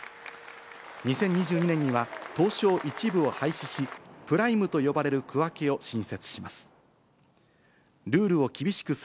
２０２２年には東証１部を廃止し、プライムと呼ばれる区分けを新設します。